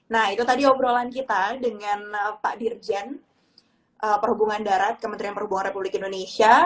nah itu tadi obrolan kita dengan pak dirjen perhubungan darat kementerian perhubungan republik indonesia